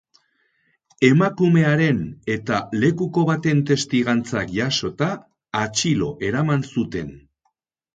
Emakumearen eta lekuko baten testigantzak jasota, atxilo eraman zuten.